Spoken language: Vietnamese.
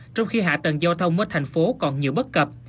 trong khi hạ tầng giao thông ở thành phố còn nhiều bất cập